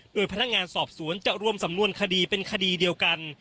โดยพนักงานสอบสวนจะรวมสำนวนคดีเป็นคดีเดียวกัน